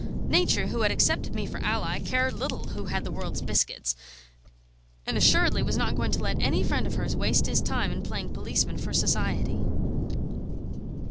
Nature, who had accepted me for ally, cared little who had the world's biscuits, and assuredly was not going to let any friend of hers waste his time in playing policeman for Society.